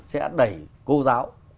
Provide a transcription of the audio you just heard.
sẽ đẩy cô giáo